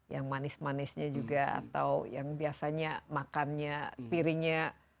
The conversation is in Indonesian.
yang manis manisnya juga atau yang biasanya makannya piringnya